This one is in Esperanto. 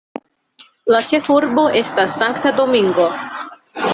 La ĉefurbo estas Sankta Domingo.